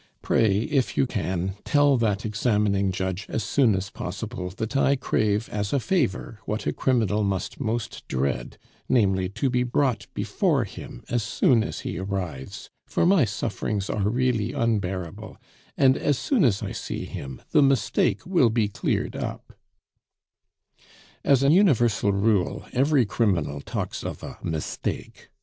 Pray, if you can, tell that examining judge as soon as possible that I crave as a favor what a criminal must most dread, namely, to be brought before him as soon as he arrives; for my sufferings are really unbearable, and as soon as I see him the mistake will be cleared up " As an universal rule every criminal talks of a mistake.